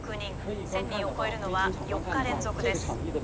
１，０００人を超えるのは４日連続です。